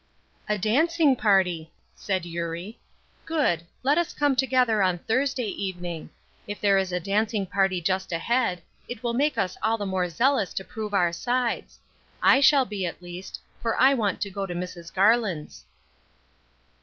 "A dancing party," said Eurie. "Good! Let us come together on Thursday evening. If there is a dancing party just ahead, it will make us all the more zealous to prove our sides; I shall be, at least, for I want to go to Mrs. Garland's."